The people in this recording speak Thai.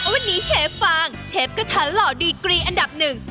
วันนี้เชฟฟางเชฟกระทันหล่อดีกรีอันดับหนึ่ง